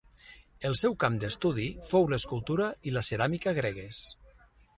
El seu camp d'estudi fou l'escultura i la ceràmica gregues.